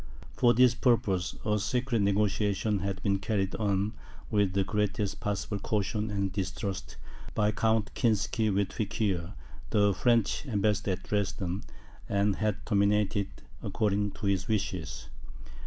For this purpose, a secret negociation had been carried on with the greatest possible caution and distrust, by Count Kinsky with Feuquieres, the French ambassador at Dresden, and had terminated according to his wishes.